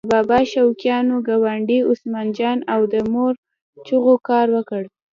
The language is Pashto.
د بابا شوقیانو ګاونډي عثمان جان او د مور چغو کار وکړ.